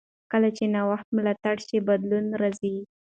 کله چې نوښت ملاتړ شي، بدلون راځي.